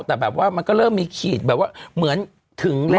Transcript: แต่แบบว่ามันก็เริ่มมีขีดแบบว่าเหมือนถึงเล็ก